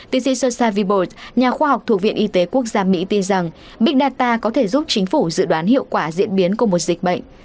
tc sosha vibot nhà khoa học thuộc viện y tế quốc gia mỹ tin rằng big data có thể giúp chính phủ dự đoán hiệu quả diễn biến của một dịch bệnh